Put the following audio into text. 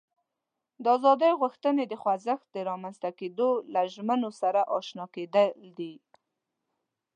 د ازادي غوښتنې د خوځښت له رامنځته کېدو له ژمینو سره آشنا کېدل دي.